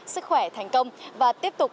sức khỏe thành công và tiếp tục